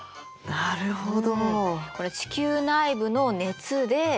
なるほど。